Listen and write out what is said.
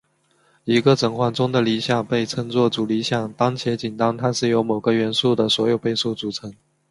一个整环中的理想被称作主理想当且仅当它是由某个元素的所有倍数组成。